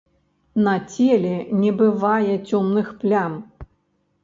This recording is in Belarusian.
На целе не бывае цёмных плям.